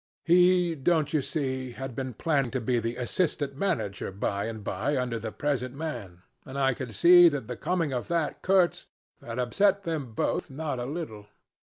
He, don't you see, had been planning to be assistant manager by and by under the present man, and I could see that the coming of that Kurtz had upset them both not a little.